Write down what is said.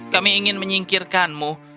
kami ingin menyingkirkanmu